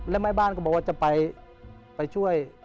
แล้วแม่บ้านก็บอกว่าจะไปช่วย